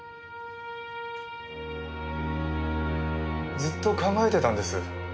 ずっと考えてたんです。